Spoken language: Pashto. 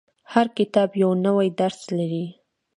• هر کتاب یو نوی درس لري.